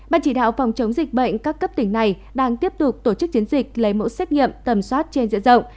ban chỉ đạo phòng chống dịch bệnh các cấp tỉnh này đang tiếp tục tổ chức chiến dịch lấy mẫu xét nghiệm tầm soát trên diện rộng